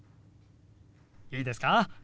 いいですか？